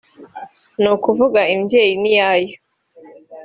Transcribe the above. ni ukuvuga imbyeyi n’iyayo